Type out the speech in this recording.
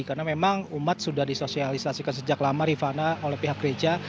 karena memang umat sudah disosialisasikan sejak lama rifana oleh pihak gereja